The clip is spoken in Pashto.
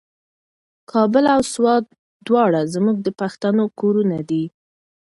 کابل او سوات دواړه زموږ د پښتنو کورونه دي.